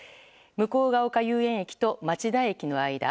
向ヶ丘遊園駅と町田駅の間。